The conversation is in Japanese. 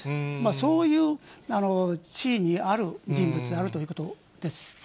そういう地位にある人物であるということです。